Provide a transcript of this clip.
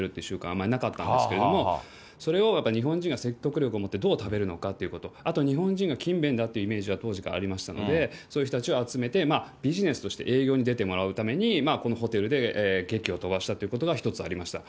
あまりなかったんですけれども、それをやっぱり日本人が説得力を持って、どう食べるのかということ、あと日本人が勤勉だというイメージが当時からありましたので、そういう人たちを集めて、ビジネスとして営業に出てもらうために、このホテルでげきを飛ばしたということが一つありました。